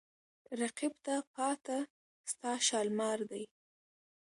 رقیب ته پاته ستا شالمار دی